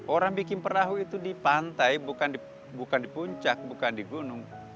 orang bikin perahu itu di pantai bukan di puncak bukan di gunung